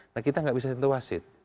nah kita nggak bisa sentuh wasit